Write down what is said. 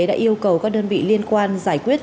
đã yêu cầu các đơn vị liên quan giải quyết